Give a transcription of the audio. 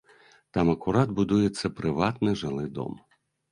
Там акурат будуецца прыватны жылы дом.